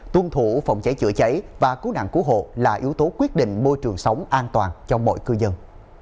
tuân thủ phòng cháy chữa cháy và cố nặng của hộ là yếu tố quyết định môi trường sống an toàn cho mọi cư dân